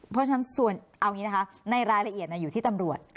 เพราะฉะนั้นส่วนในรายละเอียดอยู่ที่ตำรวจ